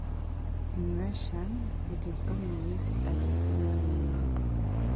In Russian it is only used as a female name.